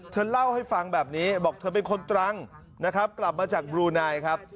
เธอเล่าให้ฟังแบบนี้บอกเธอเป็นคนตรังนะครับกลับมาจากบลูนายครับ